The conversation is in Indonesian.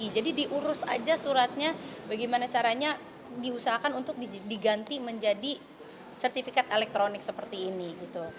jadi diurus aja suratnya bagaimana caranya diusahakan untuk diganti menjadi sertifikat elektronik seperti ini gitu